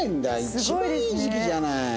一番いい時期じゃない。